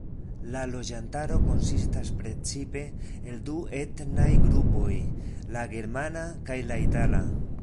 La loĝantaro konsistas precipe el du etnaj grupoj, la germana kaj la itala.